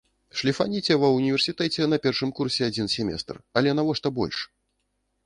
Шліфаніце ва ўніверсітэце на першым курсе адзін семестр, але навошта больш?